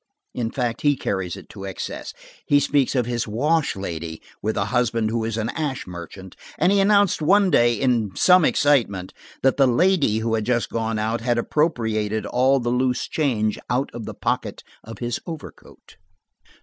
In fact, he carries it to excess. He speaks of his wash lady, with a husband who is an ash merchant, and he announced one day in some excitement, that the lady who had just gone out had appropriated all the loose change out of the pocket of his overcoat.